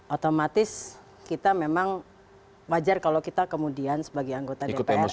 otomatis kita memang wajar kalau kita kemudian sebagai anggota dpr